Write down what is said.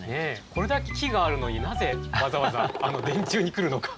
これだけ木があるのになぜわざわざあの電柱に来るのか。